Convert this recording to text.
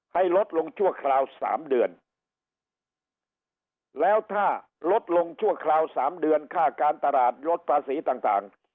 ลดลงชั่วคราวสามเดือนแล้วถ้าลดลงชั่วคราวสามเดือนค่าการตลาดลดภาษีต่าง